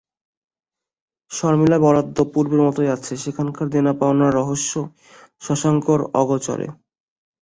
শর্মিলার বরাদ্দ পূর্বের মতোই আছে, সেখানকার দেনাপাওনার রহস্য শশাঙ্কর অগোচরে।